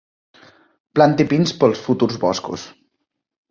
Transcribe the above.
Planti pins pels futurs boscos.